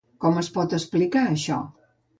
Com es pot explicar això?